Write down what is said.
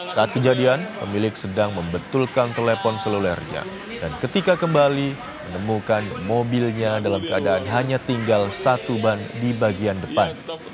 saat kejadian pemilik sedang membetulkan telepon selulernya dan ketika kembali menemukan mobilnya dalam keadaan hanya tinggal satu ban di bagian depan